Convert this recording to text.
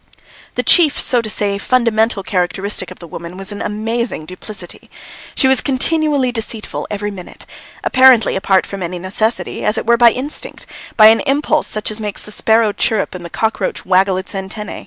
The chief, so to say fundamental, characteristic of the woman was an amazing duplicity. She was continually deceitful every minute, apparently apart from any necessity, as it were by instinct, by an impulse such as makes the sparrow chirrup and the cockroach waggle its antennæ.